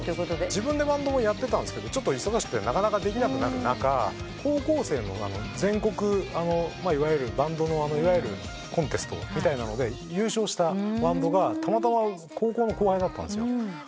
自分でバンドもやってたんですけど忙しくてなかなかできなくなる中高校生のバンドのいわゆるコンテストみたいなので優勝したバンドがたまたま高校の後輩だったんですよ。